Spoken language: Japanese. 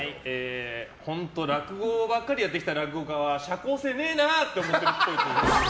本当に落語ばっかりやってきた落語家は社交性ねえなって思ってるっぽい。